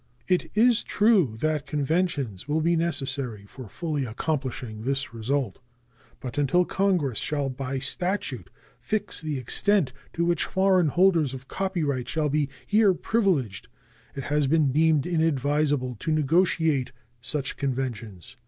It is true that conventions will be necessary for fully accomplishing this result; but until Congress shall by statute fix the extent to which foreign holders of copyright shall be here privileged it has been deemed inadvisable to negotiate such conventions.